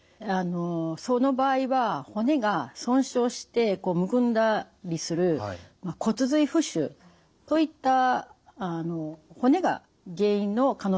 その場合は骨が損傷してむくんだりする骨髄浮腫といった骨が原因の可能性もあります。